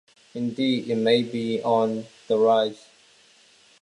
Indeed, it may be on the rise.